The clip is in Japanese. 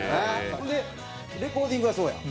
ほんでレコーディングはそうやん。